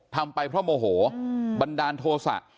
ทำไปเพราะโมโหบันดาลโทษะ